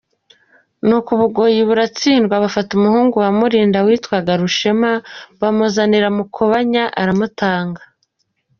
Nuko u Bugoyi buratsindwa ; bafata umuhungu wa Mulinda witwaga Rushema, bamuzanira Mukobanya aramutanga.